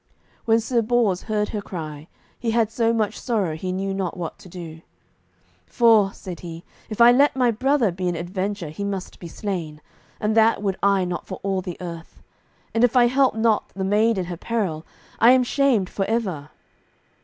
When Sir Bors heard her cry, he had so much sorrow he knew not what to do. "For," said he, "if I let my brother be in adventure he must be slain, and that would I not for all the earth. And if I help not the maid in her peril, I am shamed for ever."